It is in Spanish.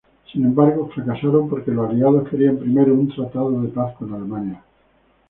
Sin embargo, fracasaron porque los Aliados querían primero un tratado de paz con Alemania.